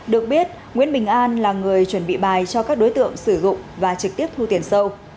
được biết nguyễn bình an là người chuẩn bị bài cho các đối tượng sử dụng và trực tiếp thu tiền sâu